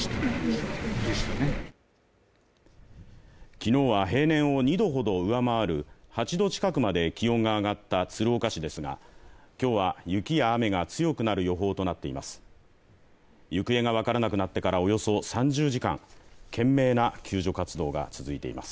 昨日は平年を２度ほど上回る８度近くまで気温が上がった鶴岡市ですが今日は雪や雨が強くなる予報となっています。